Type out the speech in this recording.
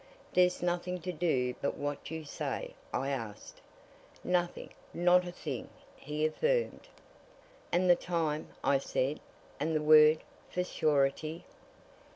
"There's nothing to do but what you say?" I asked. "Nothing not a thing!" he affirmed. "And the time?" I said. "And the word for surety?"